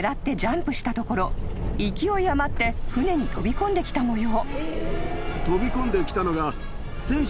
［勢い余って船に飛び込んできたもよう］